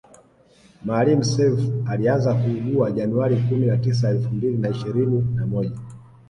Maalim Self alianza kuugua january kumi na tisa elfu mbili na ishirini na moja